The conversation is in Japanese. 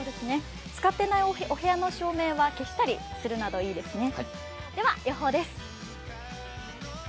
使っていないお部屋の照明は消したりするなどいいですね。